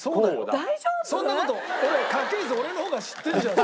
そんな事家系図俺の方が知ってるじゃん。